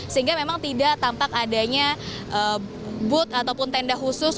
sehingga memang tidak tampak adanya booth ataupun tenda khusus